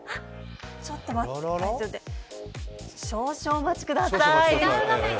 少々お待ちください。